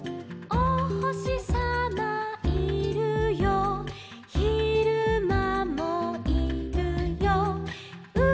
「おほしさまいるよいるよ」